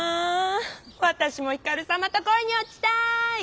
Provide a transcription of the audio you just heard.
わたしも光さまと恋におちたい！